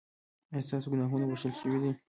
ایا ستاسو ګناهونه بښل شوي دي؟